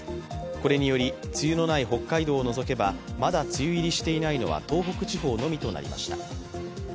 これにより梅雨のない北海道を除けばまだ梅雨入りしていないのは東北地方のみとなりました。